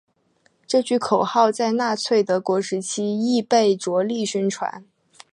这句口号在纳粹德国时期亦被着力宣传。